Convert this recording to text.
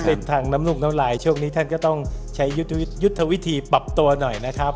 เป็นทางน้ำลูกน้ำลายช่วงนี้ท่านก็ต้องใช้ยุทธวิธีปรับตัวหน่อยนะครับ